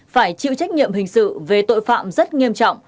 phải chịu trách nhiệm hình sự về tội phạm rất nghiêm trọng